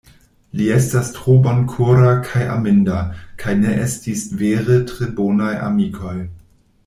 Li estas tro bonkora kaj aminda; kaj ne estis vere tre bonaj amikoj.